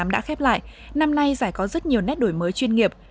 đã khép lại năm nay giải có rất nhiều nét đổi mới chuyên nghiệp